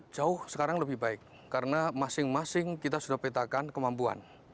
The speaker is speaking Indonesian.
jauh sekarang lebih baik karena masing masing kita sudah petakan kemampuan